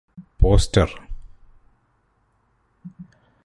poster